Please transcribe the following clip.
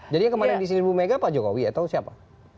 jadi yang kemarin disindir bu mega pak jokowi atau siapa